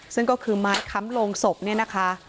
ซึ่งก็คือไม้ค้ำลงศพเนี่ยนะคะ